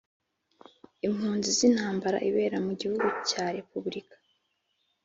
impunzi z’intambara ibera mu gihugu cya repubublika